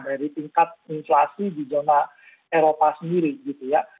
dari tingkat inflasi di zona eropa sendiri gitu ya